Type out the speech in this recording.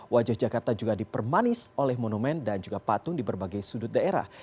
wajah jakarta juga dipermanis oleh monumen dan juga patung di berbagai sudut daerah